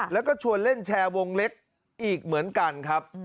แล้วก็ชวนเล่นแชร์วงเล็กอีกเหมือนกันครับ